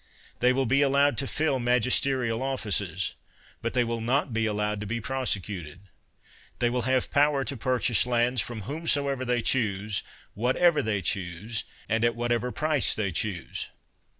They will be allowed to fill magisterial offices; but they will not be allowed to be prosecuted. They will have power to purchase lands, from whomsoever they choose, whatever they choose, and at whatever price they choose.